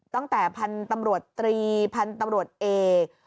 ตั้งแต่ภัณฑ์ตำรวจภัณฑ์ตำรวจเอก